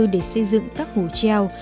để xây dựng các hồ treo